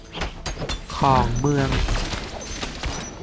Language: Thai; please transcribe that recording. ของเมือง